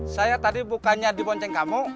saya tadi bukannya di bonceng kamu